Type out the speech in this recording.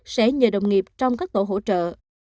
sẽ nhờ đồng nghiệp trong các tổ hỗ trợ